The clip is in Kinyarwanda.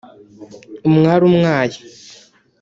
“Umwali umwaye”